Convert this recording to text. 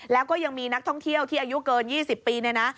แล้วก็ยังมีนักท่องเที่ยวที่อายุเกิน๒๐ปีเนี่ยนะ